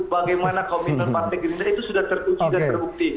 bagaimana komitmen partai gerindra itu sudah terkunci dan terbukti